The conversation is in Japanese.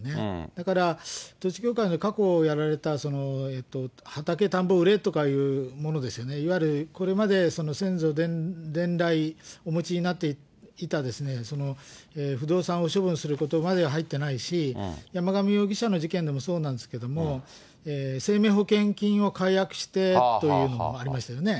だから統一教会、過去やられた畑、田んぼ売れとかいうものですよね、いわゆるこれまで先祖伝来お持ちになっていた不動産を処分することまでは入っていないし、山上容疑者の事件でもそうなんですけども、生命保険金を解約してというのもありましたよね。